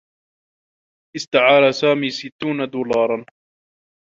استعار سامي ستّون دولارا.